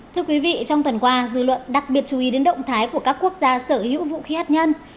thưa quý vị trong tuần qua dư luận đặc biệt chú ý đến động thái của các quốc gia sở hữu vũ khí hạt nhân